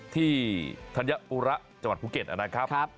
ธัญอุระจังหวัดภูเก็ตนะครับ